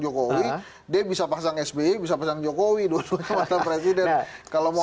jokowi dia bisa pasang sbe bisa pasang jokowi dulu kalau mau ada yang mau jokowi aja